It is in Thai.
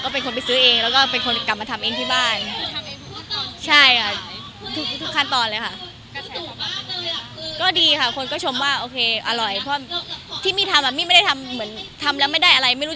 เป็นคนไปซื้อเองแล้วก็เป็นคนกลับมาทำเองที่บ้าน